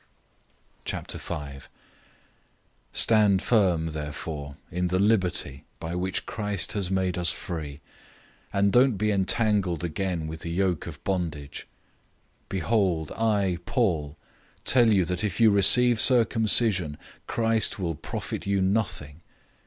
005:001 Stand firm therefore in the liberty by which Christ has made us free, and don't be entangled again with a yoke of bondage. 005:002 Behold, I, Paul, tell you that if you receive circumcision, Christ will profit you nothing.